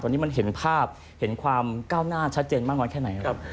ตอนนี้มันเห็นภาพเห็นความก้าวหน้าชัดเจนมากน้อยแค่ไหนครับ